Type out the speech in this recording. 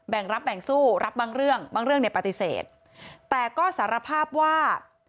รับแบ่งสู้รับบางเรื่องบางเรื่องเนี่ยปฏิเสธแต่ก็สารภาพว่า